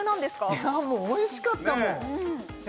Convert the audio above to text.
いやもうおいしかったもんねぇ